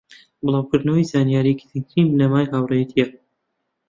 بڵاوکردنەوەی زانیاری گرنگترین بنەمای هاوڕێیەتیە